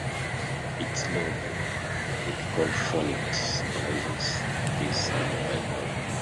Its logo, the mythical Phoenix, symbolises this revival.